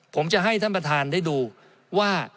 ผมจะให้ท่านประธานได้ดูว่า